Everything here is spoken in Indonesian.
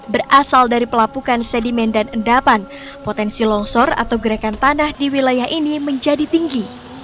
berasal dari pelapukan sedimen dan endapan potensi longsor atau gerakan tanah di wilayah ini menjadi tinggi